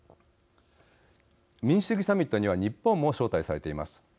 民主主義サミットには日本も招待されています。